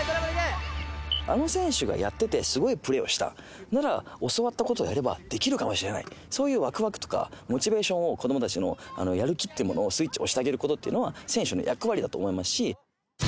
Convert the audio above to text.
あの選手がやってて、すごいプレーをしたなら、教わったことをやればできるかもしれない、そういうわくわくとかモチベーションを、子どもたちのやる気というものをスイッチ押してあげることっていうのは、選手の役割だと思いますし。